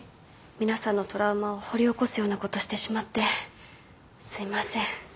皆さんのトラウマを掘り起こすようなことしてしまってすいません。